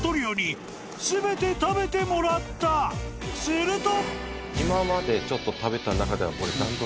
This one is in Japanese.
［すると］